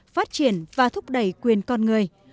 phát triển và thúc đẩy quyền con người